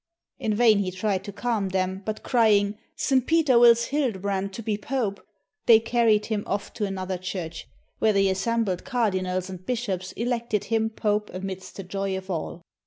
In vain he tried to calm them, but crying, "St. Peter wills Hildebrand to be Pope," they carried him off to another church, where the assembled cardinals and bishops elected him Pope amidst the joy of all.